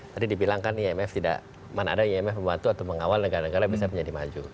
tadi dibilangkan mana ada imf membantu atau mengawal negara negara yang bisa menjadi maju